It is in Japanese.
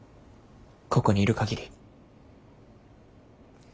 ここにいる限り。